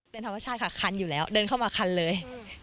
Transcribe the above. เป็นธรรมชาติค่ะคันอยู่แล้วเดินเข้ามาคันเลย